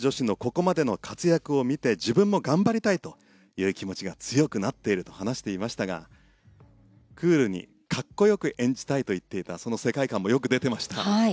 ここまでの活躍を見て自分も頑張りたいという気持ちが強くなっていると話していましたがクールにかっこよく演じたいと言っていたその世界観もよく出ていました。